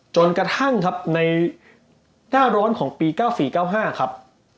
จนกระทั่งครับในหน้าร้อนของปี๙๔๙๕ครับ